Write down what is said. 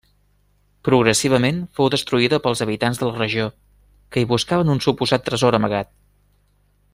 Progressivament fou destruïda pels habitants de la regió, que hi buscaven un suposat tresor amagat.